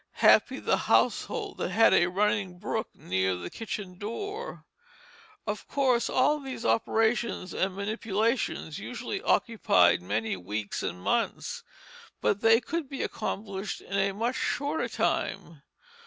Happy the household that had a running brook near the kitchen door. Of course all these operations and manipulations usually occupied many weeks and months, but they could be accomplished in a much shorter time.